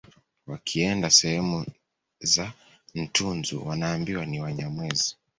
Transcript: Wakienda sehemu za Ntunzu wanaambiwa ni Wanyamwezi